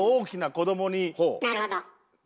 なるほど。